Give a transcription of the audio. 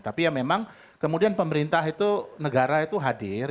tapi ya memang kemudian pemerintah itu negara itu hadir